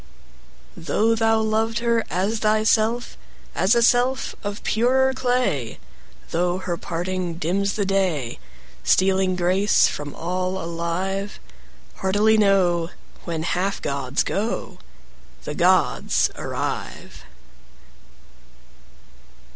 Though thou loved her as thyself, As a self of purer clay; Though her parting dims the day, 45 Stealing grace from all alive; Heartily know, When half gods go The gods arrive.